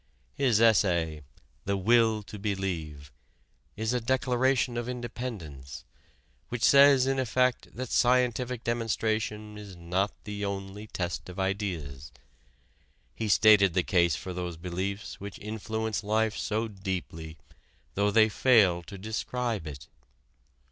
His essay, "The Will to Believe," is a declaration of independence, which says in effect that scientific demonstration is not the only test of ideas. He stated the case for those beliefs which influence life so deeply, though they fail to describe it.